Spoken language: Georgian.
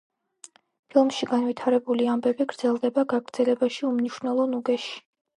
ფილმში განვითარებული ამბები გრძელდება გაგრძელებაში, „უმნიშვნელო ნუგეში“.